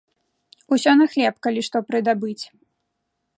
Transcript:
Усё на хлеб, калі што прыдабыць.